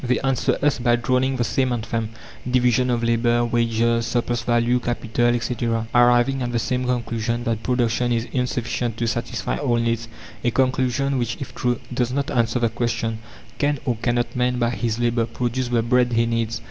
they answer us by droning the same anthem division of labour, wages, surplus value, capital, etc. arriving at the same conclusion, that production is insufficient to satisfy all needs; a conclusion which, if true, does not answer the question: "Can or cannot man by his labour produce the bread he needs?